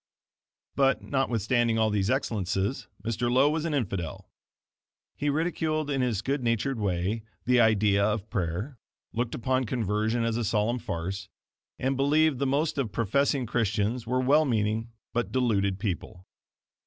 But, not withstanding all these excellences, Mr. Lowe was an infidel. He ridiculed in his good natured way, the idea of prayer, looked upon conversion as a solemn farce, and believed the most of professing Christians were well meaning but deluded people.